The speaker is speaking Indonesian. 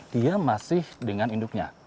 dia masih dengan induknya